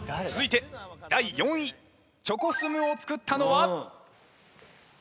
続いて第４位チョコスムを作ったのは。